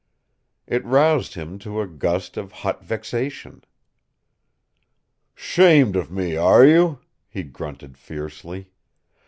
It roused him to a gust of hot vexation. "Shamed of me, are you?" he grunted fiercely.